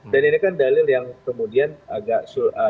dan ini kan dalil yang kemudian agak sulit